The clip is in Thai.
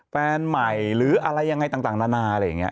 แฟนใหม่หรืออะไรยังไงต่างนานาอะไรอย่างนี้